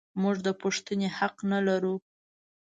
موږ د پوښتنې حق نه لرو.